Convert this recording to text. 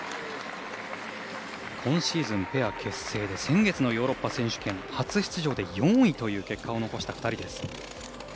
今シーズン、ペア結成で先月のヨーロッパ選手権初出場で４位という結果を残した２人です。